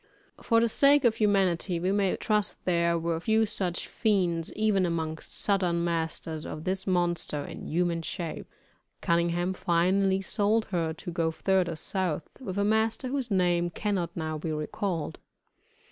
For the sake of humanity we may trust there were few such fiends even among southern masters as this monster in human shape. Cunningham finally sold her to go further South, with a master whose name cannot now be recalled.